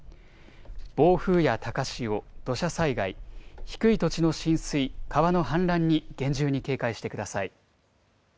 暴風や高潮、土砂災害、低い土地の浸水、川の氾濫に厳重に警戒してください。